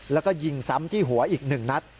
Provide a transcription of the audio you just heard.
แล้วก็ยิงซ้ำที่หัวอีก๑นัด